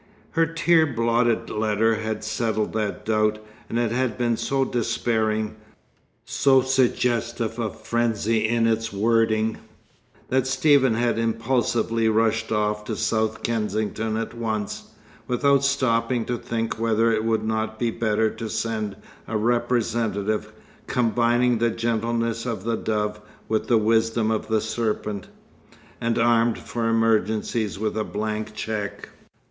Her tear blotted letter had settled that doubt, and it had been so despairing, so suggestive of frenzy in its wording, that Stephen had impulsively rushed off to South Kensington at once, without stopping to think whether it would not be better to send a representative combining the gentleness of the dove with the wisdom of the serpent, and armed for emergencies with a blank cheque.